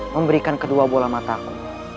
memberikan kedua bola mata aku